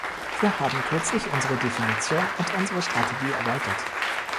Wir haben kürzlich unsere Definition und unsere Strategie erläutert.